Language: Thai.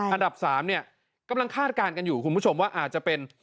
อันดับ๓เนี่ยกำลังคาดการณ์กันอยู่คุณผู้ชมว่าอาจจะเป็น